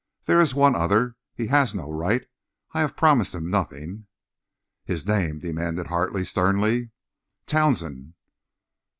There is one other—but he has no right—I have promised him nothing." "His name?" demanded Hartley, sternly. "Townsend."